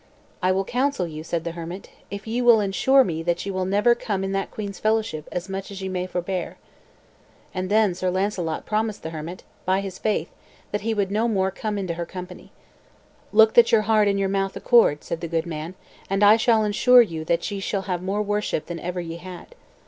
"I will counsel you," said the hermit, "if ye will insure me that ye will never come in that queen's fellowship as much as ye may forbear." And then Sir Launcelot promised the hermit, by his faith, that he would no more come in her company. "Look that your heart and your mouth accord," said the good man, "and I shall insure you that ye shall have more worship than ever ye had."